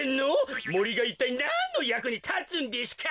もりがいったいなんのやくにたつんデシュか！